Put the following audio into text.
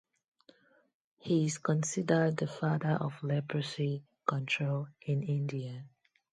He is considered "the father of leprosy control" in India.